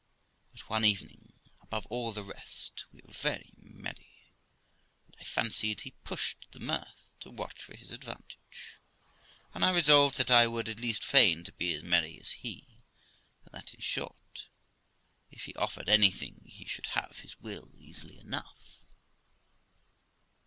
But one evening, above all the rest, we were very merry, and I fancied he pushed the mirth to watch for his advantage, and I resolved that I would at least feign to be as merry as he; and that, in short, if he offered anything he should have his will easily enough.